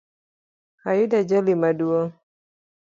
Ayudo ajali maduong